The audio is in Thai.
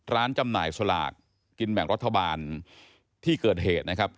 จำหน่ายสลากกินแบ่งรัฐบาลที่เกิดเหตุนะครับ